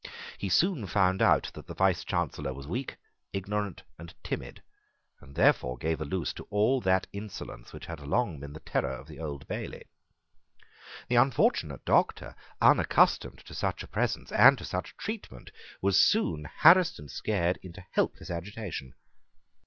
He soon found out that the Vice chancellor was weak, ignorant, and timid, and therefore gave a loose to all that insolence which had long been the terror of the Old Bailey. The unfortunate Doctor, unaccustomed to such a presence and to such treatment, was soon harassed and scared into helpless agitation.